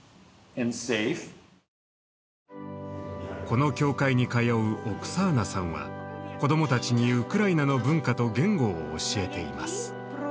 この教会に通うオクサーナさんは子供たちにウクライナの文化と言語を教えています。